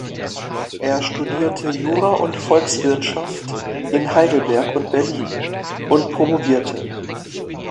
Er studierte Jura und Volkswirtschaft in Heidelberg und Berlin und promovierte.